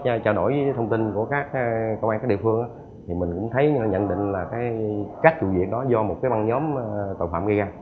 thì qua cái trả nổi thông tin của các công an các địa phương thì mình cũng thấy nhận định là cái cách trụ diệt đó do một cái băng nhóm tội phạm gây ra